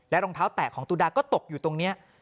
รองเท้าแตกของตุดาก็ตกอยู่ตรงนี้